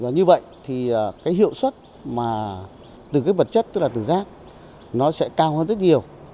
như vậy thì hiệu suất từ vật chất tức là từ rác nó sẽ cao hơn rất nhiều